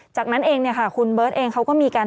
จากนั้นเองเนี่ยค่ะคุณเบิร์ตเองเขาก็มีการ